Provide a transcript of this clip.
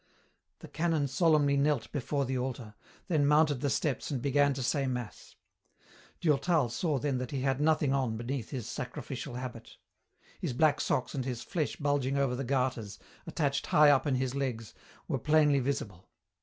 The canon solemnly knelt before the altar, then mounted the steps and began to say mass. Durtal saw then that he had nothing on beneath his sacrificial habit. His black socks and his flesh bulging over the garters, attached high up on his legs, were plainly visible.